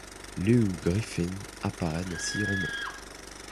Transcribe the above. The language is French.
Lew Griffin apparaît dans six romans.